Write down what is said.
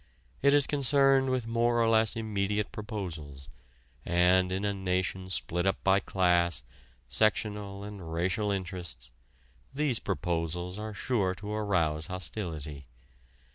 It is concerned with more or less immediate proposals, and in a nation split up by class, sectional and racial interests, these proposals are sure to arouse hostility.